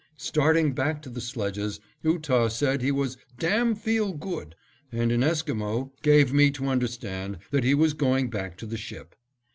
Starting back to the sledges, Ootah said he was "damn feel good," and in Esquimo gave me to understand that he was going back to the ship.